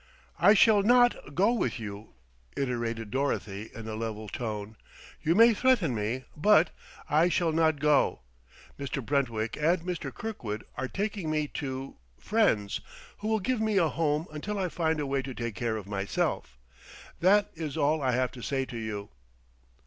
"I shall not go with you," iterated Dorothy in a level tone. "You may threaten me, but I shall not go. Mr. Brentwick and Mr. Kirkwood are taking me to friends, who will give me a home until I can find a way to take care of myself. That is all I have to say to you."